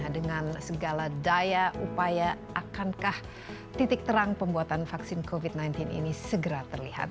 dengan segala daya upaya akankah titik terang pembuatan vaksin covid sembilan belas ini segera terlihat